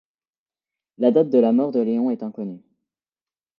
La date de la mort de Léon est inconnue.